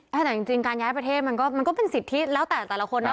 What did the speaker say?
แต่จริงการย้ายประเทศมันก็มันก็เป็นสิทธิแล้วแต่แต่ละคนนะ